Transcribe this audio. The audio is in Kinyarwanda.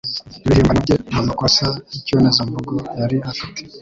Ibihimbano bye nta makosa yikibonezamvugo yari afite.